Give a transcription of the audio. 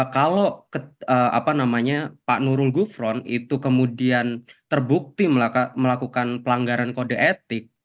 kalau pak nurul gufron itu kemudian terbukti melakukan pelanggaran kode etik